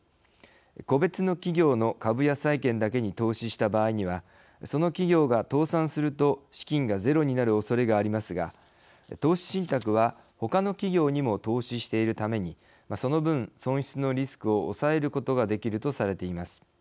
個別の企業の株や債券だけに投資した場合にはその企業が倒産すると資金がゼロになるおそれがありますが、投資信託は他の企業にも投資しているためにその分、損失のリスクを抑えることができるとされています。